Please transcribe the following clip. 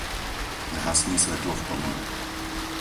Zhasni svetlo v komore.